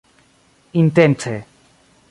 intence